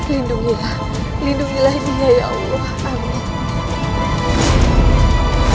lindungilah lindungilah ini ya ya allah